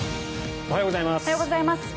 おはようございます。